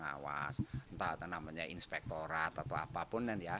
atau namanya inspektorat atau apapun